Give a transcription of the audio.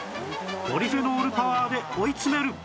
ポリフェノールパワーで追い詰める